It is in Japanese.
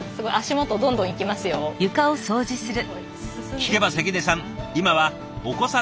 聞けば関根さん